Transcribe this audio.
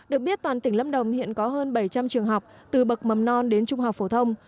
được biết toàn tỉnh lâm đồng hiện có hơn bảy trăm linh trường học từ bậc mầm non đến trung học phổ thông